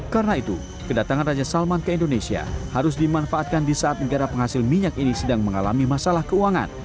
karena itu kedatangan raja salman ke indonesia harus dimanfaatkan di saat negara penghasil minyak ini sedang mengalami masalah keuangan